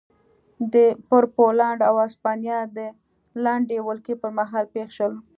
پر پولنډ او هسپانیا د لنډې ولکې پرمهال پېښ شول.